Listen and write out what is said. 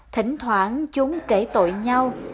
thỉnh thoảng chúng kể tội nhau